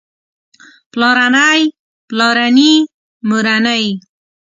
پلارنی پلارني مورنۍ